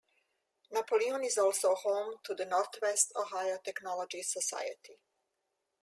Napoleon is also home to the Northwest Ohio Technology Society.